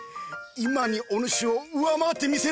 今にお主を上回ってみせる！